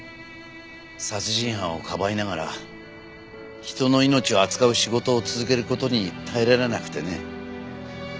殺人犯をかばいながら人の命を扱う仕事を続ける事に耐えられなくてね。